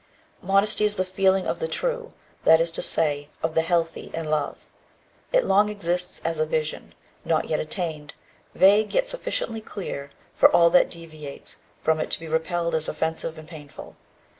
Modesty is the feeling of the true, that is to say, of the healthy, in love; it long exists as a vision, not yet attained; vague, yet sufficiently clear for all that deviates from it to be repelled as offensive and painful.